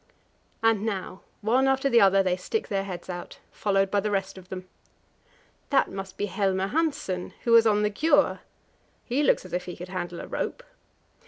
And now, one after the other they stick their heads out, followed by the rest of them. That must be Helmer Hanssen, who was on the Gjöa; he looks as if he could handle a rope.